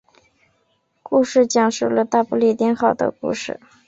故事讲述了大不列颠号的事情。